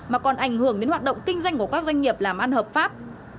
mà còn ảnh hưởng đến hoạt động kinh doanh của các doanh nghiệp làm ăn hợp pháp